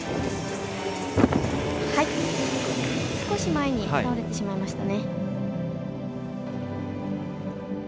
少し前に倒れてしまいました。